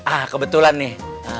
ah kebetulan nih